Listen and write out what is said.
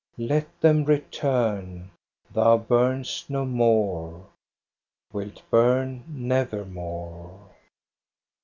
Let them return ! Thou burnest no more I — Wilt burn nevermore.